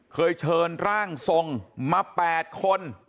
เคยเชิญร่างทรงมา๘คน